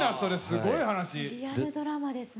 リアルドラマですね。